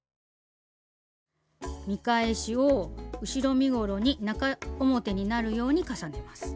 見返しを後ろ身ごろに中表になるように重ねます。